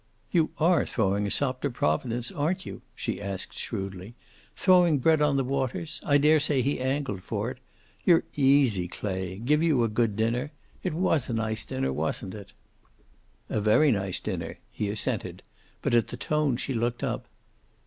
"You are throwing a sop to Providence, aren't you?" she asked shrewdly. "Throwing bread on the waters! I daresay he angled for it. You're easy, Clay. Give you a good dinner it was a nice dinner, wasn't it?" "A very nice dinner," he assented. But at the tone she looked up.